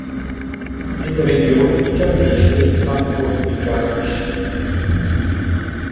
In der Region Picardie spricht man von "Picardisch".